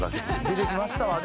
出てきましたわ。